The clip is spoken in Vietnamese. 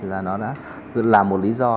là nó đã làm một lý do